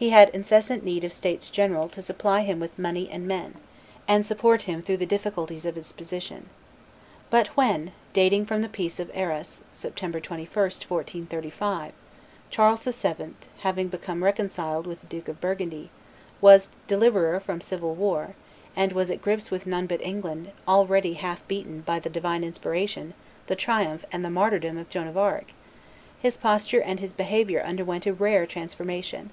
He had incessant need of states general to supply him with money and men, and support him through the difficulties of his position. But when, dating from the peace of Arras (September 21, 1435), Charles VII., having become reconciled with the Duke of Burgundy, was deliverer from civil war, and was at grips with none but England alone already half beaten by the divine inspiration, the triumph, and the martyrdom of Joan of Arc, his posture and his behavior underwent a rare transformation.